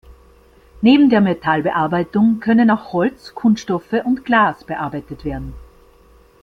Neben der Metallbearbeitung können auch Holz, Kunststoffe und Glas bearbeitet werden.